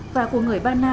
và của người ba nàng